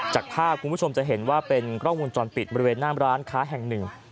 จากภาพคุณผู้ชมจะเห็นว่าเป็นกล้องวงจรปิดบริเวณหน้ามร้านค้าแห่งหนึ่ง